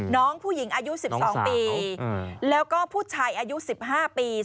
น้องผู้หญิงอายุ๑๒ปีแล้วก็ผู้ชายอายุ๑๕ปี